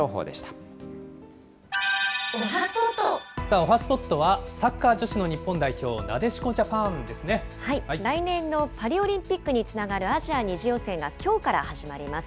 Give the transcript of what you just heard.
おはＳＰＯＴはサッカー女子の日本代表、なでしこジャパンで来年のパリオリンピックにつながるアジア２次予選がきょうから始まります。